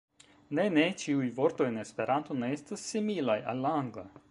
Ne, ne, ĉiuj vortoj en Esperanto ne estas similaj al la Angla.